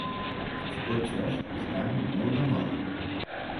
Els cotxes estan molt de moda.